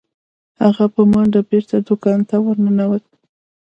هغه په منډه بیرته دکان ته ورنوت.